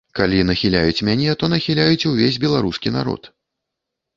Калі нахіляюць мяне, то нахіляюць увесь беларускі народ.